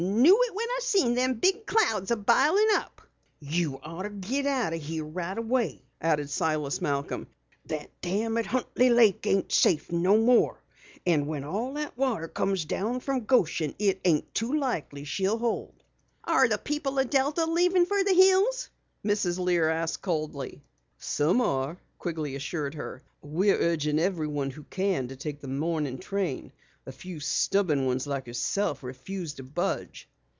"Knew it when I seen them big clouds bilin' up." "You oughter get out o' here right away," added Silas Malcom. "That dam at Huntley Lake ain't safe no more, and when all that water comes down from Goshen it ain't too likely she'll hold." "Are the people of Delta leaving for the hills?" Mrs. Lear asked coldly. "Some are," Quigley assured her. "We're urging everyone who can to take the morning train. A few stubborn ones like yourself refuse to budge."